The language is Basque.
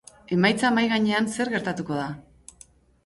Emaitza mahai gainean, zer gertatuko da?